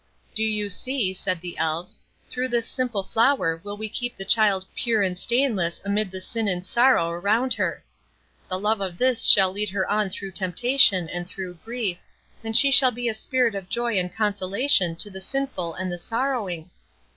"Do you see," said the Elves, "through this simple flower will we keep the child pure and stainless amid the sin and sorrow around her. The love of this shall lead her on through temptation and through grief, and she shall be a spirit of joy and consolation to the sinful and the sorrowing."